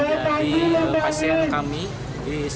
jadi untuk ambil